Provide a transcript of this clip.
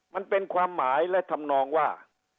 มันเป็นความหมายและทำนองว่า